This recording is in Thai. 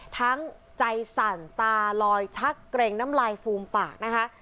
ทั้งใจสั่นตาลอยชักเกร็งน้ำลายฟูมปากนะคะ